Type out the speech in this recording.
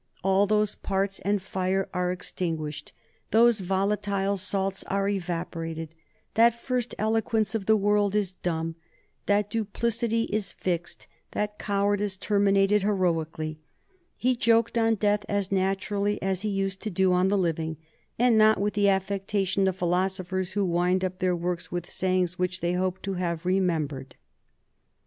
All those parts and fire are extinguished; those volatile salts are evaporated; that first eloquence of the world is dumb; that duplicity is fixed, that cowardice terminated heroically. He joked on death as naturally as he used to do on the living, and not with the affectation of philosophers who wind up their works with sayings which they hope to have remembered."